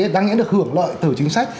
đáng nghĩa là được hưởng lợi từ chính sách